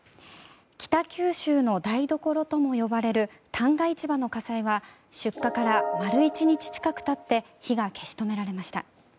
北九州の台所とも呼ばれる旦過市場の火災が出火から丸１日近く経って火が消し止められました。